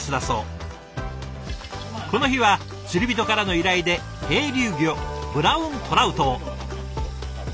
この日は釣り人からの依頼で渓流魚ブラウントラウトを。